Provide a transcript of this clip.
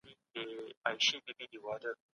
روحان